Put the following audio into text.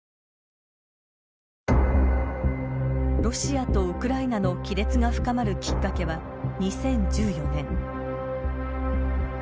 ロシアとウクライナの亀裂が深まるきっかけは２０１４年。